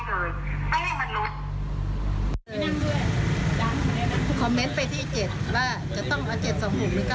ขายให้กับมือจริงมีคนมาแบ่งก่อนหน้านั้น